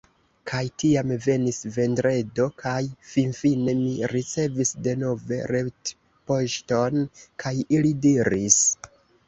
Kaj tiam venis Vendredo, kaj finfine, mi ricevis denove retpoŝton, kaj ili diris: